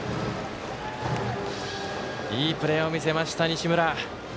いいプレーを見せました、西村。